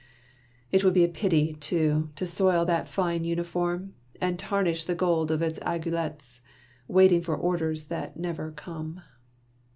It would be a pity, too, to soil that A Game of Billiards. 1 3 fine uniform, and tarnish the gold of its aiguillettes, waiting for orders that never come.